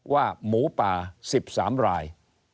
หมูป่า๑๓ราย